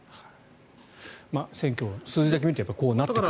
選挙、数字だけ見るとこうなってくると。